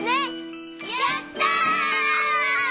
やった！